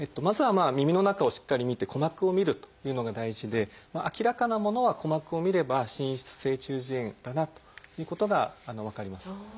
まずはまあ耳の中をしっかり診て鼓膜を診るというのが大事で明らかなものは鼓膜を診れば滲出性中耳炎だなということが分かります。